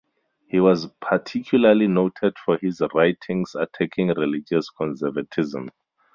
He was particularly noted for his writings attacking religious conservatism.